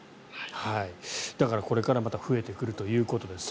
だからこれからまた増えてくるということです。